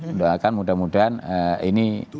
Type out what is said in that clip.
mendoakan mudah mudahan ini